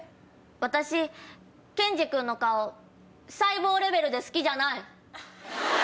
私ケンジ君の顔細胞レベルで好きじゃない。